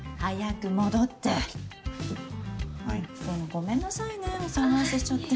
ごめんなさいねお騒がせしちゃって。